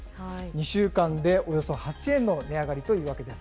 ２週間でおよそ８円の値上がりというわけです。